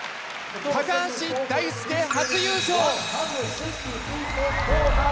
橋大輔初優勝！